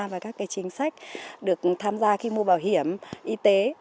và các chính sách được tham gia khi mua bảo hiểm y tế